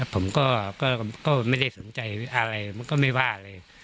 ผมก็ไม่ได้สนใจอะไรมันก็ไม่ว่าอะไร